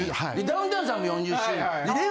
ダウンタウンさんも４０周年。